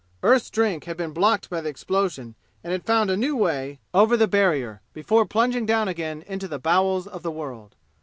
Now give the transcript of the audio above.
Earth's Drink had been blocked by the explosion and had found a new way over the barrier before plunging down again into the bowels of the world.